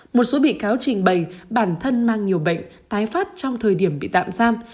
một số bị cáo trình bày bản thân mang nhiều bệnh tái phát trong thời điểm bị tạm giam